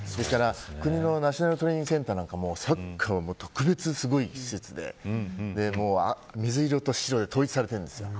国のナショナルトレーニングセンターもサッカーは特別すごい施設で水色と白で統一されているんですよ。